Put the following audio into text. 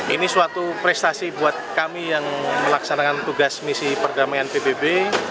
ini suatu prestasi buat kami yang melaksanakan tugas misi perdamaian pbb